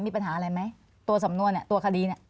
มีปัญหาอะไรไหมตัวสำนวนตัวคดี